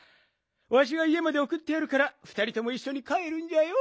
わしがいえまでおくってやるからふたりともいっしょにかえるんじゃよ。